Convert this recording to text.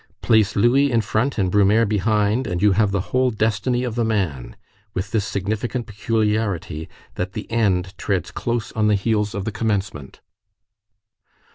Place Louis in front and Brumaire behind, you have the whole destiny of the man, with this significant peculiarity, that the end treads close on the heels of the commencement."